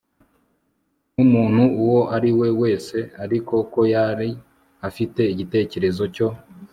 Numuntu uwo ari we wese ariko ko yari afite igitekerezo cyo